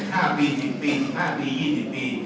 อย่าง๕ปี๑๐ปี๑๕ปี๒๐ปี